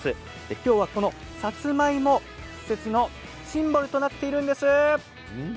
今日はさつまいも、施設のシンボルとなっているんです。